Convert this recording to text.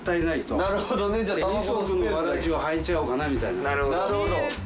なるほど。